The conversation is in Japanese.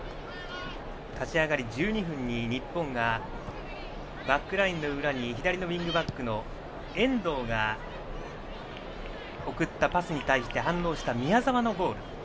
立ち上がり１２分に日本がバックラインの裏に左のウイングバックの遠藤が送ったパスに対して反応した宮澤のゴール。